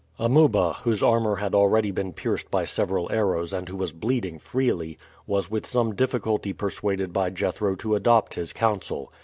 Amuba, whose armor had already been pierced by several arrows and who was bleeding freely, was with some difficulty persuaded by Jethro to adopt his counsel.